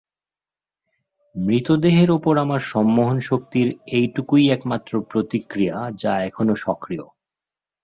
মৃতদেহের ওপর আমার সম্মোহন শক্তির এইটুকুই একমাত্র প্রতিক্রিয়া যা এখনো সক্রিয়।